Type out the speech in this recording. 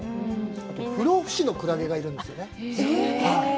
あと不老不死のクラゲがいるんですよね。